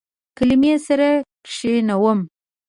کلمې سره کښینوم